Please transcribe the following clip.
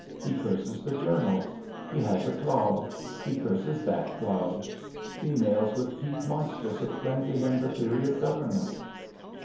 He curses the journals. He has a clob. He curses that clob. Females with teeth monstrous explain to him the theory of Government.